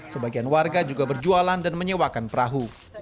sebagian warga juga berjualan dan menyewakan perahu